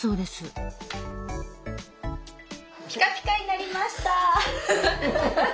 ピカピカになりました！